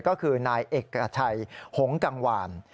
ก็คือนายเอกชัยหงกังวาน